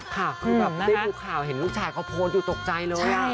ค่ะคือแบบได้ดูข่าวเห็นลูกชายเขาโพสต์อยู่ตกใจเลย